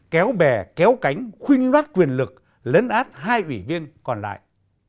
kéo bè kéo cánh khuyên loát quyền lực lấn át hai ủy viên còn lại